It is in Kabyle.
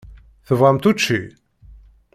Tebɣamt učči?